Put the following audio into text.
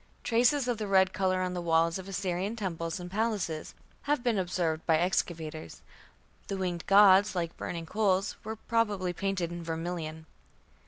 Traces of the red colour on the walls of Assyrian temples and palaces have been observed by excavators. The winged gods "like burning coals" were probably painted in vermilion.